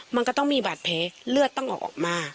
มันก็ต้องมีบาดแผลเลือดต้องออกมา